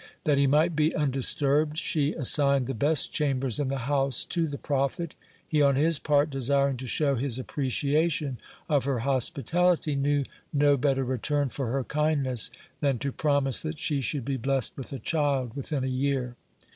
That he might be undisturbed, she assigned the best chambers in the house to the prophet. He on his part, desiring to show his appreciation of her hospitality, knew no better return for her kindness than to promise that she should be blessed with a child within a year.